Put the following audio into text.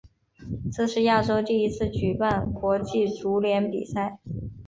这是亚洲第一次举办国际足联比赛。